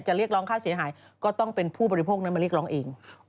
เรียกร้องค่าเสียหายก็ต้องเป็นผู้บริโภคนั้นมาเรียกร้องเอง